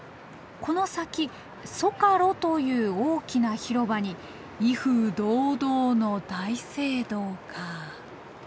この先ソカロという大きな広場に威風堂々の大聖堂か。